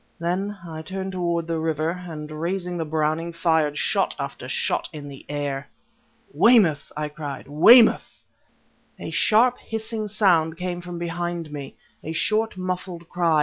Then I turned towards the river, and, raising the Browning, fired shot after shot in the air. "Weymouth!" I cried. "Weymouth!" A sharp hissing sound came from behind me; a short, muffled cry ...